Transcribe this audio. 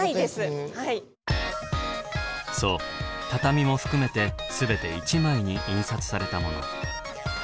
そう畳も含めて全て１枚に印刷されたもの。